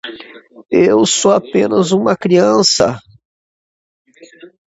Eu sou apenas uma criança.